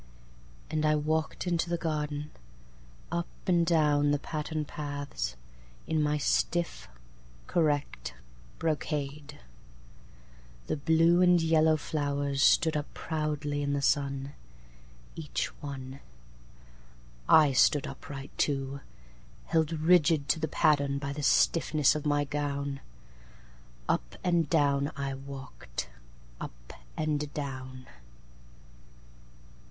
And I walked into the garden, Up and down the patterned paths, In my stiff, correct brocade. The blue and yellow flowers stood up proudly in the sun, Each one.I stood upright too, Held rigid to the patternBy the stiffness of my gown. Up and down I walked, Up and down.